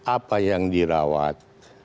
apa yang dirawat